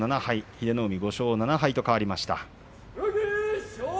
英乃海、５勝７敗と変わりました。